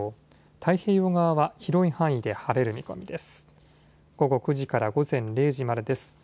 太平洋側は広い範囲で晴れる見込みです。